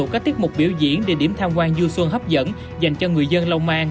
các tiết mục biểu diễn địa điểm tham quan du xuân hấp dẫn dành cho người dân long an